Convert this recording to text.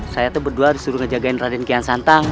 saya tuh berdua disuruh ngejagain raden kian santang